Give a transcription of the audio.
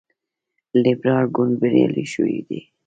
لیبرال ګوند بریالی شوی دی.